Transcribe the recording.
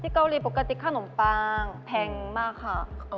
เกาหลีปกติขนมปังแพงมากค่ะ